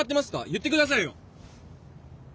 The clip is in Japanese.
言って下さいよ！